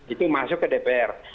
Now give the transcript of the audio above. itu masuk ke dpr